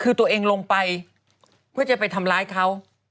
คือตัวเองลงไปเพื่อจะไปทำร้ายเขา